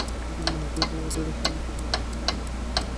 এতে মানবসম্পদ কর্মকর্তাদের সামনে চাকরি ডটকমের নানা দিক তুলে ধরা হয়।